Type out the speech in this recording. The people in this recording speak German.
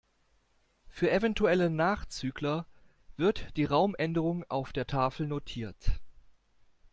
Für eventuelle Nachzügler wird die Raumänderung auf der Tafel notiert.